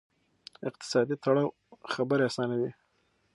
اقتصادي تړاو خبرې آسانوي.